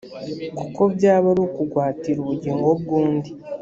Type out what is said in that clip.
kuko byaba ari ukugwatira ubugingo bw’undi.